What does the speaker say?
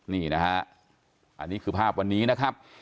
นี่นะฮะอันนี้คือภาพวันนี้นะครับ